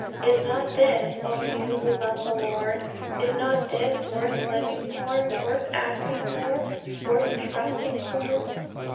Is not this, O you who love the Lord is not this worth living for, worth asking for, worth trusting for?